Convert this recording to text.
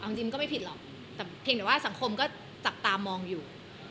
เอาจริงก็ไม่ผิดหรอกแต่เพียงแต่ว่าสังคมก็จับตามองอยู่